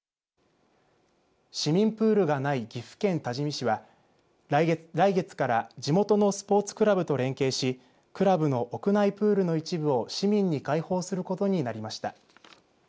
市民プールがない岐阜県多治見市は来月から地元のスポーツクラブと連携しクラブの屋内プールの一部を市民に開放することになりました。